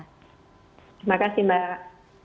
terima kasih mbak